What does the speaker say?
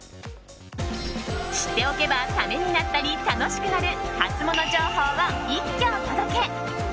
知っておけば、ためになったり楽しくなるハツモノ情報を一挙お届け。